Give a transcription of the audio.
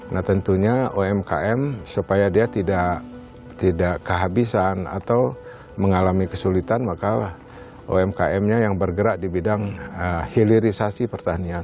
nah tentunya umkm supaya dia tidak kehabisan atau mengalami kesulitan maka umkmnya yang bergerak di bidang hilirisasi pertanian